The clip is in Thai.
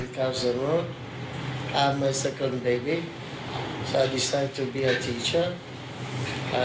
เมื่อเธอสร้างโรงพยาบาลฉันไม่รู้ว่าว่าเธอต้องรักชีวิตของฉัน